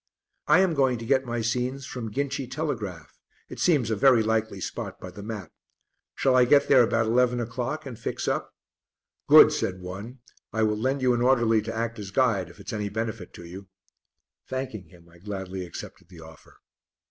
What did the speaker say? "I am going to get my scenes from 'Ginchy Telegraph'; it seems a very likely spot by the map. Shall I get there about eleven o'clock and fix up?" "Good," said one. "I will lend you an orderly to act as guide if it's any benefit to you." Thanking him, I gladly accepted the offer.